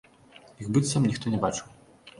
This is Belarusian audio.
Іх быццам ніхто не бачыў.